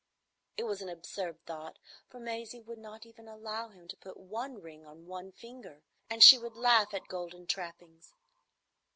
It was an absurd thought, for Maisie would not even allow him to put one ring on one finger, and she would laugh at golden trappings.